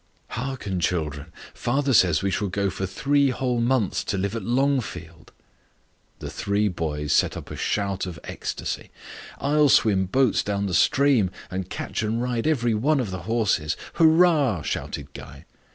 "Hearken, children! father says we shall go for three whole months to live at Longfield." The three boys set up a shout of ecstacy. "I'll swim boats down the stream, and catch and ride every one of the horses. Hurrah!" shouted Guy.